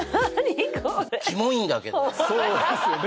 キモいんだけどそうですよね